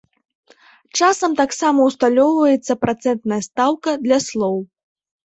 Часам таксама ўсталёўваецца працэнтная стаўка для слоў.